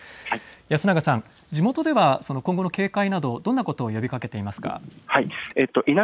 安永さん、地元では今後の警戒など、どんなことを呼びかけていますか。